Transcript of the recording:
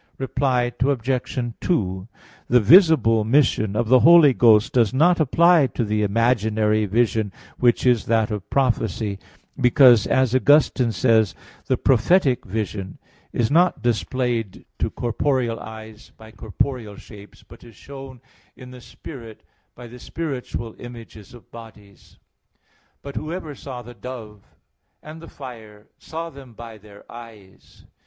Reply Obj. 2: The visible mission of the Holy Ghost does not apply to the imaginary vision which is that of prophecy; because as Augustine says (De Trin. ii, 6): "The prophetic vision is not displayed to corporeal eyes by corporeal shapes, but is shown in the spirit by the spiritual images of bodies. But whoever saw the dove and the fire, saw them by their eyes.